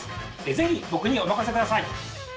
是非僕にお任せください！